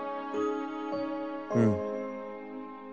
『うん。